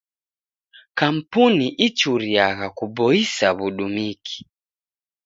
Kampuni ichuriagha kuboisa w'udumiki.